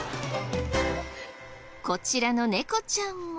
こちらのネコちゃんも。